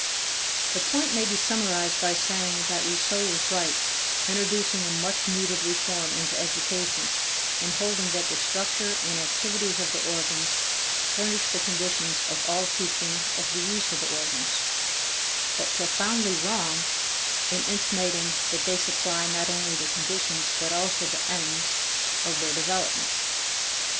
The point may be summarized by saying that Rousseau was right, introducing a much needed reform into education, in holding that the structure and activities of the organs furnish the conditions of all teaching of the use of the organs; but profoundly wrong in intimating that they supply not only the conditions but also the ends of their development.